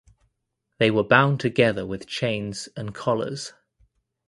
They were bound together with chains and collars.